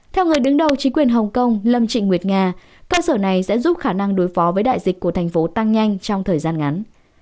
theo người đứng đầu chính quyền hồng kông lâm trịnh nguyệt nga cơ sở này sẽ giúp khả năng đối phó với đại dịch của thành phố tăng nhanh trong thời gian ngắn